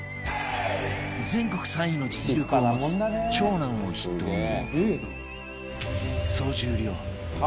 全国３位の実力を持つ長男を筆頭に